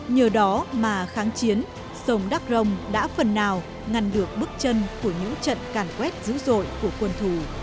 nhờ đó mà kháng chiến sông đắc rồng đã phần nào ngăn được bước chân của những trận càn quét giữ dội của quân thủ